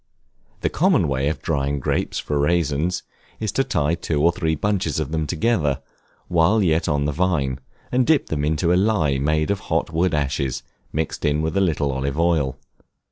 The common way of drying grapes for raisins, is to tie two or three bunches of them together while yet on the vine, and dip them into a lye made of hot wood ashes, mixed with a little olive oil.